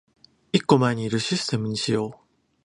一個前にいるシステムにしよう